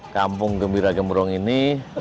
kampung gembira gembrong ini